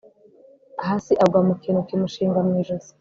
hasi agwa mukintu kimushinga mwijosi